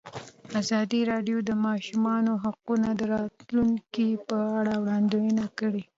ازادي راډیو د د ماشومانو حقونه د راتلونکې په اړه وړاندوینې کړې.